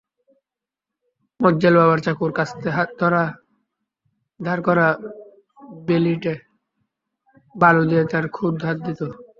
মজ্জেল বাবার চাকু-কাস্তে ধার করা বেলিটে বালু দিয়ে তার ক্ষুর ধার দিত।